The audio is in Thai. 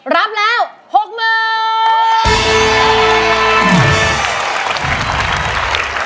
รับแล้ว๖๐๐๐บาท